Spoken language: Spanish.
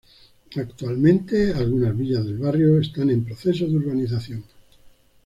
Actualmente, algunas villas del barrio están en proceso de urbanización.